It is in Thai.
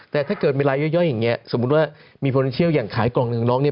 แต่ถ้าเกิดเวลาย่อยอย่างนี้สมมุติว่ามีโปรดิเชียลอย่างขายกล่องหนึ่งน้องเนี่ย